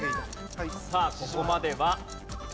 さあここまでは。